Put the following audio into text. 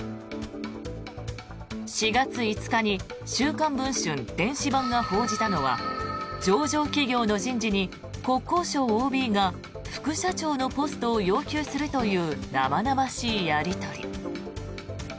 ４月５日に「週刊文春」電子版が報じたのは上場企業の人事に国交省ＯＢが副社長のポストを要求するという生々しいやり取り。